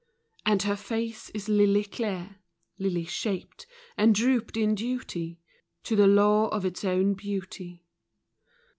And her face is lily clear, Lily shaped, and drooped in duty To the law of its own beauty.